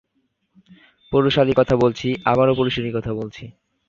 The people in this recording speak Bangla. পুরুষালি কথা বলছি, আবারো পুরুষালি কথা বলছি।